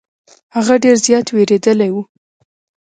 هغه ډير زيات ويرويدلې وه.